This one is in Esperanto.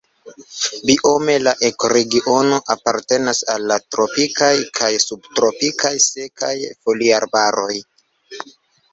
Biome la ekoregiono apartenas al la tropikaj kaj subtropikaj sekaj foliarbaroj.